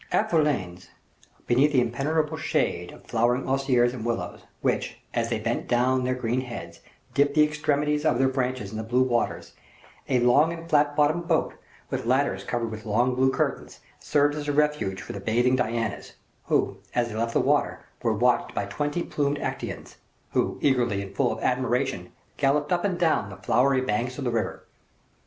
At Vulaines, beneath the impenetrable shade of flowering osiers and willows, which, as they bent down their green heads, dipped the extremities of their branches in the blue waters, a long and flat bottomed boat, with ladders covered with long blue curtains, served as a refuge for the bathing Dianas, who, as they left the water, were watched by twenty plumed Acteons, who, eagerly, and full of admiration, galloped up and down the flowery banks of the river.